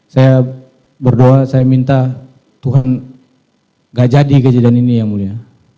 saya berdoa saya minta tuhan gak jadi kejadian ini yang mulia